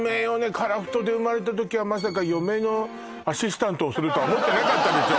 樺太で生まれた時はまさか嫁のアシスタントをするとは思ってなかったでしょ